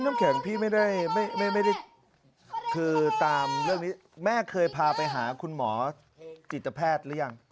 น้ำแข็งพี่ไม่ได้คือตามเรื่องนี้แม่เคยพาไปหาคุณหมอจิตแพทย์หรือยัง